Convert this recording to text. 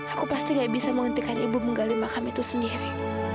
aku pasti gak bisa menghentikan ibu menggali makam itu sendiri